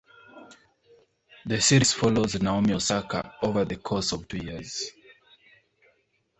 The series follows Naomi Osaka over the course of two years.